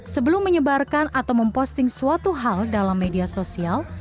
sebelum menyebarkan atau memposting suatu hal dalam media sosial